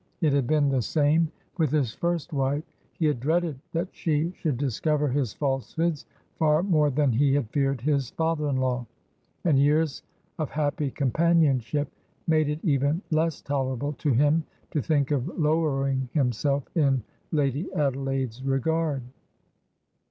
It had been the same with his first wife. He had dreaded that she should discover his falsehoods far more than he had feared his father in law. And years of happy companionship made it even less tolerable to him to think of lowering himself in Lady Adelaide's regard.